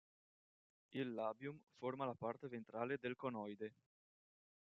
Il labium forma la parte ventrale del conoide.